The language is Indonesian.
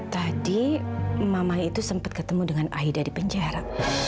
tadi mamanya itu sempat ketemu dengan aida di penjara